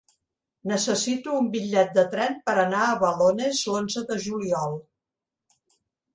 Necessito un bitllet de tren per anar a Balones l'onze de juliol.